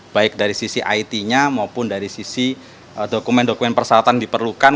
baik dari sisi it nya maupun dari sisi dokumen dokumen persyaratan diperlukan